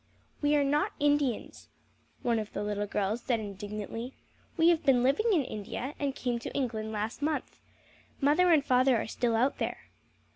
"We are not Indians," one of the little girls said indignantly. "We have been living in India and came to England last month. Mother and father are still out there."